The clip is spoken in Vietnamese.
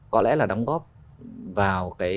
có lẽ là đóng góp vào cái